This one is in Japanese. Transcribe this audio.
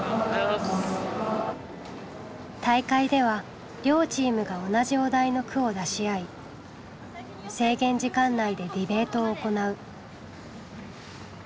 大会では両チームが同じお題の句を出し合い制限時間内でディベートを行う。